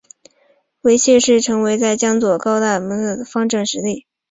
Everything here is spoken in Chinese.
为谢氏成为江左高门大族取得方镇实力。